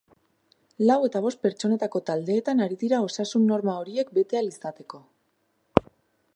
Lau eta bost pertsonetako taldeetan ari dira osasun-norma horiek bete ahal izateko.